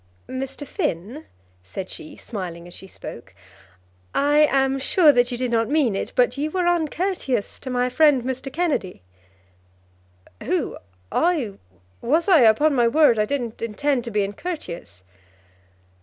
"Mr. Finn," said she, smiling as she spoke, "I am sure that you did not mean it, but you were uncourteous to my friend Mr. Kennedy." "Who? I? Was I? Upon my word, I didn't intend to be uncourteous."